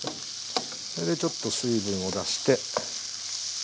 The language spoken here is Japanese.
それでちょっと水分を出して。